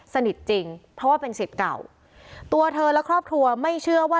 สนิทจริงเพราะว่าเป็นสิทธิ์เก่าตัวเธอและครอบครัวไม่เชื่อว่า